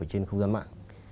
ở trên không gian mạng